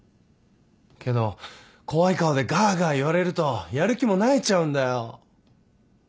けど怖い顔でがあがあ言われるとやる気もなえちゃうんだよ。